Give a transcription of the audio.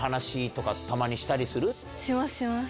しますします。